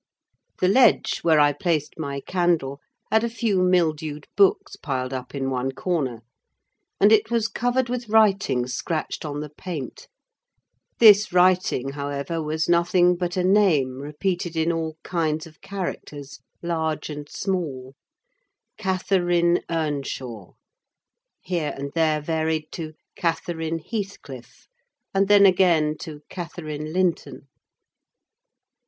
The ledge, where I placed my candle, had a few mildewed books piled up in one corner; and it was covered with writing scratched on the paint. This writing, however, was nothing but a name repeated in all kinds of characters, large and small—Catherine Earnshaw, here and there varied to Catherine Heathcliff, and then again to Catherine Linton.